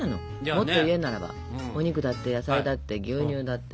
もっと言うならばお肉だって野菜だって牛乳だって。